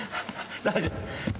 大丈夫？